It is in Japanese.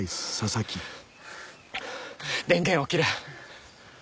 電源を切れ。